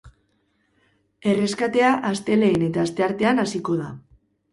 Erreskatea, astelehen eta asteartean hasiko da.